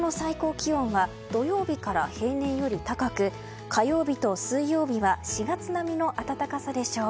東京の最高気温は土曜日から平年より高く火曜日と水曜日は４月並みの暖かさでしょう。